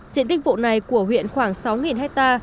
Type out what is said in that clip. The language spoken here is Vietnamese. diện tích vụ này của huyện khoảng sáu hecta